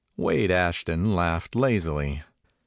Wade Ashton laughed lazily.